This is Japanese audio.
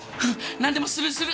何でもするする！